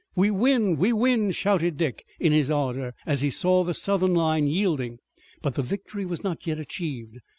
"We win! We win!" shouted Dick in his ardor, as he saw the Southern line yielding. But the victory was not yet achieved.